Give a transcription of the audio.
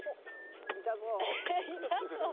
痛そう。